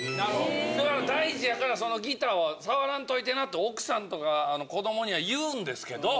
だから大事やからそのギターは触らんといてなって奥さんとか子どもには言うんですけど。